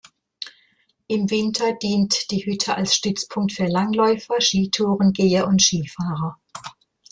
Im Winter dient die Hütte als Stützpunkt für Langläufer, Skitourengeher und Skifahrer.